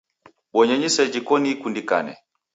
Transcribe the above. Bonyenyi sejhi koni ikundikane.